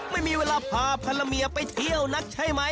ไม่มีเวลาพาภรรยาไปเที่ยวนักใช่ไหม